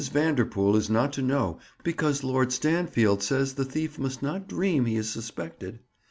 Vanderpool is not to know because Lord Stanfield says the thief must not dream he is suspected.